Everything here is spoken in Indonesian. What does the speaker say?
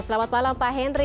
selamat malam pak henry